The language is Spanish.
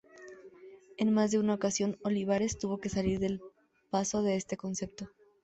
En más de una ocasión, Olivares tuvo que salir al paso de este concepto.